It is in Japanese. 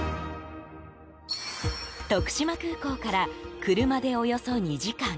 徳島空港から車でおよそ２時間。